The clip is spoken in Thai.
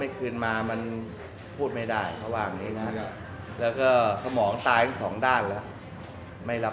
ไม่คืนมามันพูดไม่ได้เพราะว่าอันนี้นะแล้วก็ข้อมองตายอีก๒ด้านแล้วไม่รับ